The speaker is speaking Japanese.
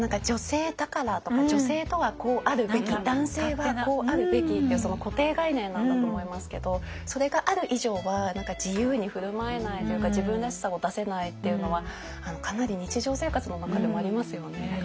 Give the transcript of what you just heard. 女性だからとか女性とはこうあるべき男性はこうあるべきっていう固定概念なんだと思いますけどそれがある以上は自由に振る舞えないというか自分らしさを出せないっていうのはかなり日常生活の中でもありますよね。